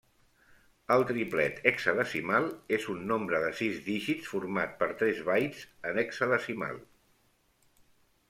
El triplet hexadecimal és un nombre de sis dígits format per tres bytes en hexadecimal.